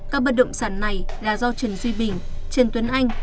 các bất động sản này là do trần duy bình trần tuấn anh